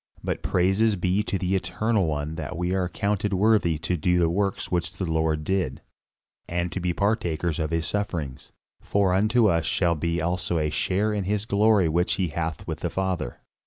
But praises be to the Eternal One that we are accounted worthy to do the works which the Lord did, and to be partakers of his sufferings. For unto us shall be also a share in his glory which he hath with the Father.